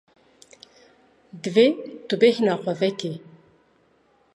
Divê tu bêhna xwe vekî.